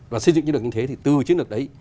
và xây dựng chiến lược như thế thì từ chiến lược đấy